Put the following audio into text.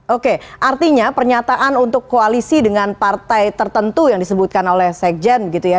oke artinya pernyataan untuk koalisi dengan partai tertentu yang disebutkan oleh sekjen gitu ya